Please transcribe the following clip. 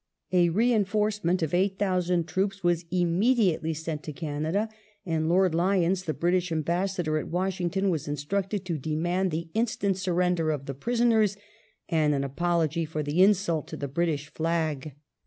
A reinforce ment of 8,000 troops was immediately sent to Canada, and Lord Lyons, the British Ambassador at Washington, was instructed to demand the instant surrender of the prisoners, and an apology for the insult to the British flag.